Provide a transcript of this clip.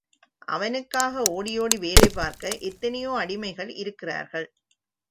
அவனுக்காக ஓடி ஒடி வேலை பார்க்க எத்தனையோ அடிமைகள் இருக்கிறார்கள்.